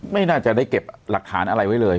ไม่น่าจะได้เก็บหลักฐานอะไรไว้เลย